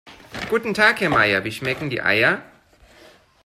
Guten Tag Herr Meier, wie schmecken die Eier?